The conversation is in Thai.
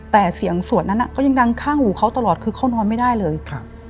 แต่เสียงสวดนั้นก็ยังดังข้างหูเขาตลอดคือเขานอนไม่ได้เลยครับ